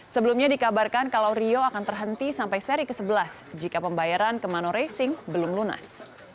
sebelumnya dikabarkan kalau rio akan terhenti sampai seri ke sebelas jika pembayaran ke manoracing belum lunas